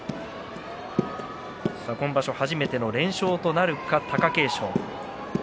今場所初めての連勝となるか貴景勝。